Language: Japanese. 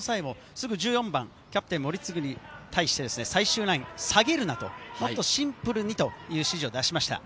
失点の際もすぐ１４番キャプテン・森次に対して、最終ラインを下げるな、もっとシンプルにという指示を出しました。